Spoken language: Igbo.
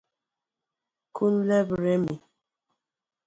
Kunleb Remi